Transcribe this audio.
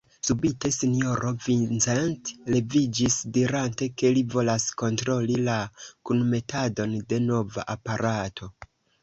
Subite sinjoro Vincent leviĝis, dirante, ke li volas kontroli la kunmetadon de nova aparato.